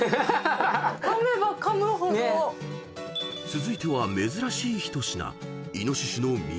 ［続いては珍しい一品］